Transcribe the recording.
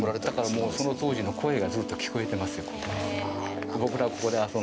だから、もうその当時の声がずっと聞こえてますよ、ここは。